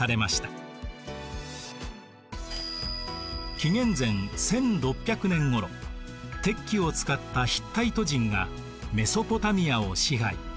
紀元前１６００年ごろ鉄器を使ったヒッタイト人がメソポタミアを支配。